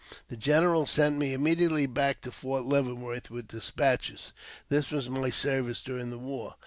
The general sent me immediately back to Fort Lieaven worth with despatches. This was my service during the war.